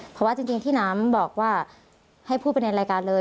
เพราะว่าจริงที่น้ำบอกว่าให้พูดไปในรายการเลย